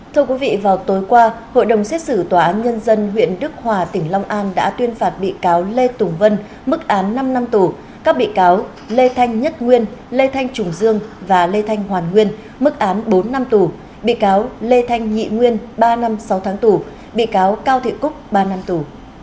thưa quý vị vào tối qua hội đồng xét xử tòa án nhân dân huyện đức hòa tỉnh long an đã tuyên phạt bị cáo lê tùng vân mức án năm năm tù các bị cáo lê thanh nhất nguyên lê thanh trùng dương và lê thanh hoàn nguyên mức án bốn năm tù bị cáo lê thanh nhị nguyên ba năm sáu tháng tù bị cáo cao thị cúc ba năm tù